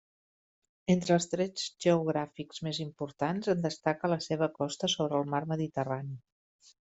Entre els trets geogràfics més importants en destaca la seva costa sobre el mar Mediterrani.